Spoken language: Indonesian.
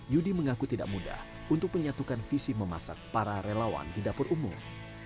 yudi mengaku tidak mudah untuk menyatukan visi memasak para relawan di dapur umum